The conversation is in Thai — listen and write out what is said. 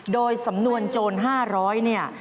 โดยสำนวนโจร๕๐๐เนี่ย